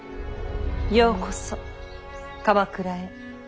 ようこそ鎌倉へ。